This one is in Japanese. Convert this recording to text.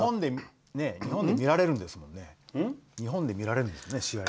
日本で見られるんですもんね試合を。